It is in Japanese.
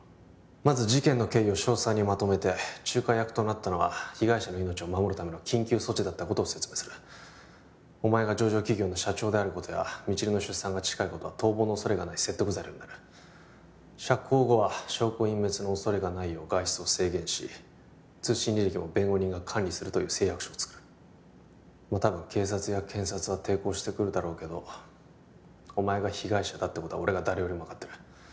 まず事件の経緯を詳細にまとめて仲介役となったのは被害者の命を守るための緊急措置だったことを説明するお前が上場企業の社長であることや未知留の出産が近いことは逃亡のおそれがない説得材料になる釈放後は証拠隠滅のおそれがないよう外出を制限し通信履歴を弁護人が管理するという誓約書も作るたぶん警察や検察は抵抗してくるだろうけどお前が被害者だってことは俺が誰よりも分かってる